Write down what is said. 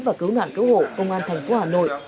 và cứu nạn cứu hộ công an thành phố hà nội